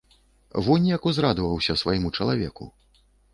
Вунь як узрадаваўся свайму чалавеку!